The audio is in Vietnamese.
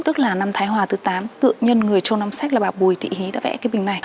tức là năm thái hòa thứ tám tự nhân người châu nam sách là bà bùi thị hí đã vẽ cái bình này